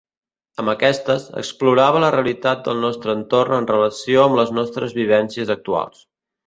Amb aquestes, explorava la realitat del nostre entorn en relació amb les nostres vivències actuals.